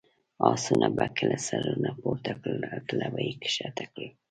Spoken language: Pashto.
اسونو به کله سرونه پورته کړل، کله به یې کښته کړل.